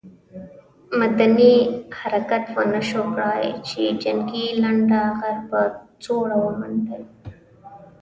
مدني حرکت ونه شو کړای چې جنګي لنډه غر په سوړه ومنډي.